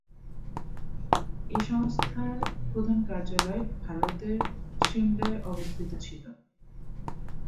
এ সংস্থার প্রধান কার্যালয় ভারতের সিমলায় অবস্থিত ছিল।